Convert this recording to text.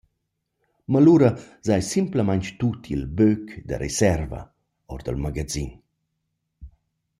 Ma lura s’haja simplamaing tut il «Böögg» da reserva our dal magazin.